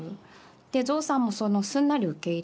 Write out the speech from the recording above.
でぞうさんもすんなり受け入れる。